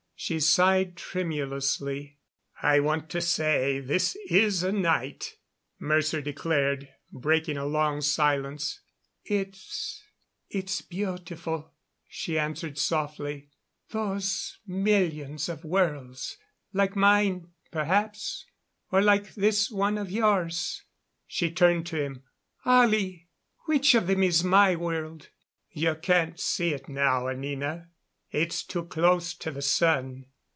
She sighed tremulously. "I want to say this is a night," Mercer declared, breaking a long silence. "It's it's beautiful," she answered softly. "Those millions of worlds like mine, perhaps or like this one of yours." She turned to him. "Ollie, which of them is my world?" "You can't see it now, Anina. It's too close to the sun."